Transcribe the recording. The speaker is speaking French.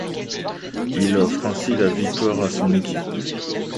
Il offre ainsi la victoire à son équipe.